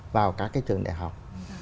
vào các cái trường đại học